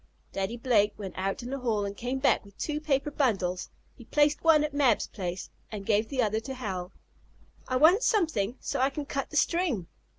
Daddy Blake went out in the hall, and came back with two paper bundles. He placed one at Mab's place, and gave the other to Hal. "I want something, so I can cut the string!"